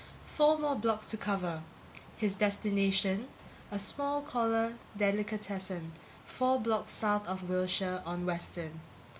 Four more blocks to cover. His destination: a small corner delicatessen four blocks south of Wilshire, on Western.